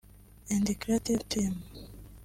and creative team